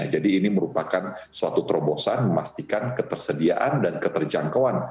jadi ini merupakan suatu terobosan memastikan ketersediaan dan keterjangkauan